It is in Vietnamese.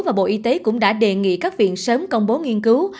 và bộ y tế cũng đã đề nghị các viện sớm công bố nghiên cứu